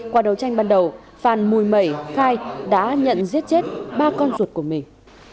qua đấu tranh ban đầu phàn mùi mẩy khai đã nhận giết chết ba con ruột của mình